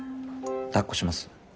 だっこします？